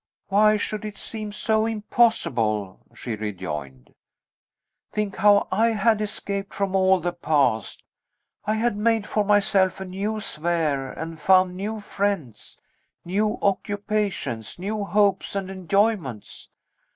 "Why should it seem so impossible?" she rejoined. "Think how I had escaped from all the past! I had made for myself a new sphere, and found new friends, new occupations, new hopes and enjoyments.